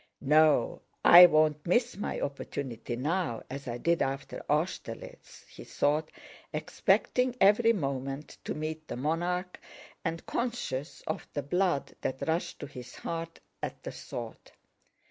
"No, I won't miss my opportunity now, as I did after Austerlitz," he thought, expecting every moment to meet the monarch, and conscious of the blood that rushed to his heart at the thought.